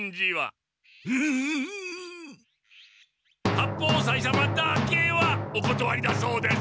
八方斎様だけはおことわりだそうです。